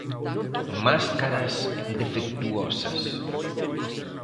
¡Máscaras defectuosas!